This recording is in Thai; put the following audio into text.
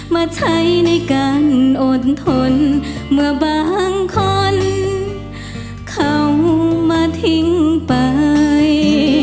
มาใช้ในการอดทนเมื่อบางคนเข้ามาทิ้งไป